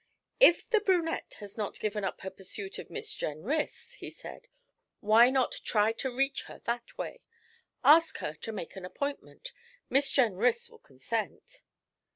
'If that brunette has not given up her pursuit of Miss Jenrys,' he said, 'why not try to reach her that way? Ask her to make an appointment. Miss Jenrys will consent.'